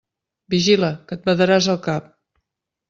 Vigila, que et badaràs el cap!